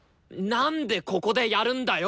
なんでここでやるんだよ！